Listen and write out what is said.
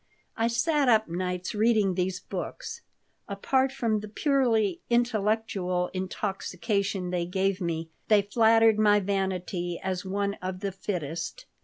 I sat up nights reading these books. Apart from the purely intellectual intoxication they gave me, they flattered my vanity as one of the "fittest."